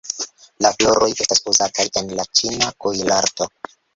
La floroj estas uzataj en la ĉina kuirarto.